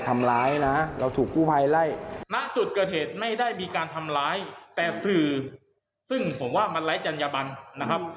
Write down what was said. ไม่ได้มีการทำร้ายแต่ฟือซึ่งผมว่ามันไร้จัญลบันนะครับ